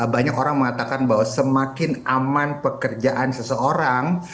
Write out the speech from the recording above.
banyak orang mengatakan bahwa semakin aman pekerjaan seseorang